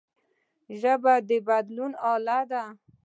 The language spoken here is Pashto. ژبه د بدلون اله ده